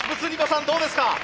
さんどうですか？